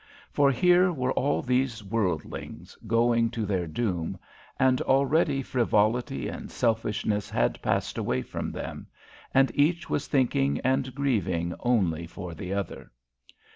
For here were all these worldlings going to their doom, and already frivolity and selfishness had passed away from them, and each was thinking and grieving only for the other.